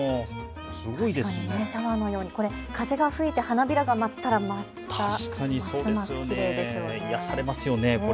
確かにシャワーのように風が吹いて花びらが舞ったらますますきれいでしょうね。